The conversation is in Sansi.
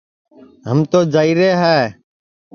ہم تو جائیرے ہے